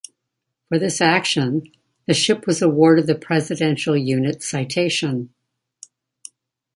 For this action, the ship was awarded the Presidential Unit Citation.